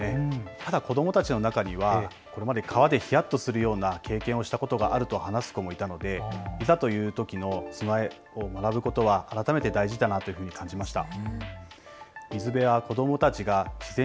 ただ子どもたちの中にはこれまで川でひやっとするような経験をしたことがあると話す子どもがいたのでいざというときの備えを学ぶこは改めて大事だなと感じました。